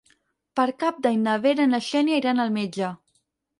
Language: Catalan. Per Cap d'Any na Vera i na Xènia iran al metge.